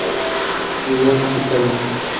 Videos musicales